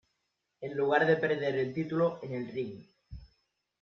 En lugar de perder el título en el ring.